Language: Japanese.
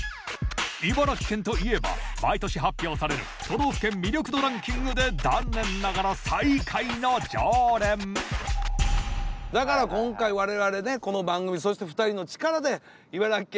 茨城県といえば毎年発表される都道府県魅力度ランキングで残念ながら最下位の常連だから今回我々ねこの番組そして２人の力で茨城県を。